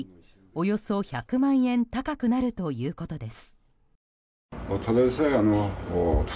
およそ１００万円高くなるということです。